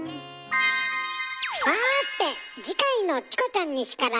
さて次回の「チコちゃんに叱られる」は？